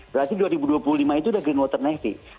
berarti dua ribu dua puluh lima itu udah green water navy